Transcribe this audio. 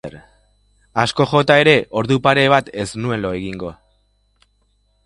Asko jota ere, ordu pare bat ez nuen lo egingo.